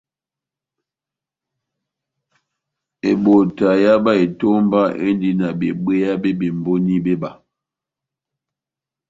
Ebota ya bá etomba éndi na bebwéya bé bemboni béba.